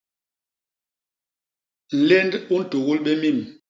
Nlénd u ntugul bé mim.